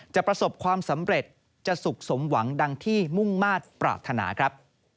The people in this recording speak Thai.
ประสบความสำเร็จจะสุขสมหวังดังที่มุ่งมาตรปรารถนาครับ